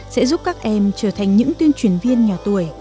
sẽ giúp các em trở thành những tuyên truyền viên nhỏ tuổi